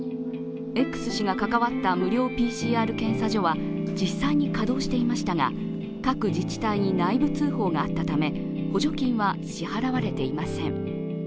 Ｘ氏が関わった無料ＰＣＲ検査は実際に稼働していましたが、各自治体に内部通報があったため補助金は支払われていません。